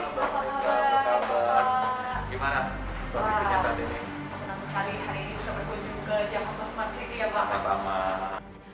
senang sekali hari ini bisa berkunjung ke jakarta smart city ya pak